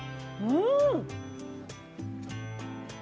うん！